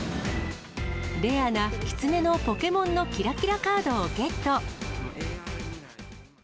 レアなきつねのポケモンのきらきらカードをゲット。